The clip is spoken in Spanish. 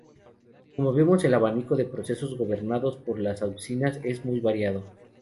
Como vemos el abanico de procesos gobernados por las auxinas es muy variado.